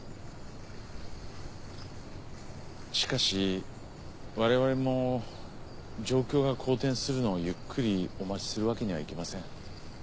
しかし我々も状況が好転するのをゆっくりお待ちするわけにはいきません。